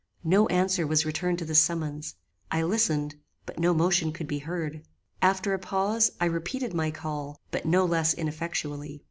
"No answer was returned to this summons. I listened, but no motion could be heard. After a pause I repeated my call, but no less ineffectually.